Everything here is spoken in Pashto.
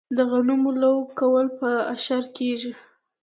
د غنمو لو کول په اشر کیږي.